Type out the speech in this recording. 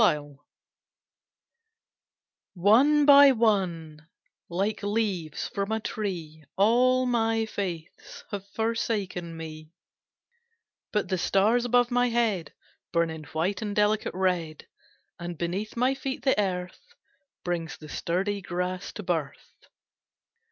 LEAVES ONE by one, like leaves from a tree, All my faiths have forsaken me; But the stars above my head Burn in white and delicate red, And beneath my feet the earth Brings the sturdy grass to birth.